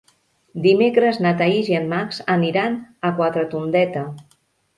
Dimecres na Thaís i en Max aniran a Quatretondeta.